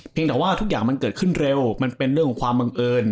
แต่ว่าทุกอย่างมันเกิดขึ้นเร็วมันเป็นเรื่องของความบังเอิญ